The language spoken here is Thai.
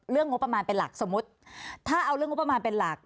งบประมาณเป็นหลักสมมุติถ้าเอาเรื่องงบประมาณเป็นหลัก